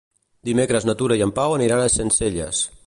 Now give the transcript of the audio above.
Dimecres na Tura i en Pau aniran a Sencelles.